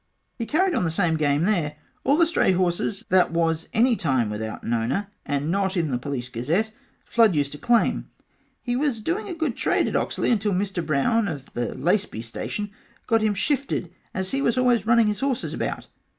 he carried on the same game there all the stray horses that was any time without an owner and not in the Police Gazette Flood used to claim He was doing a good trade at Oxley until Mr Brown of the Laceby Station got him shifted as he was always running his horses about.